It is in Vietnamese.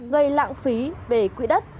gây lạng phí về quỹ đất